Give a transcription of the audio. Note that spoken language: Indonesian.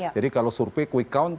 jadi kalau survei quick count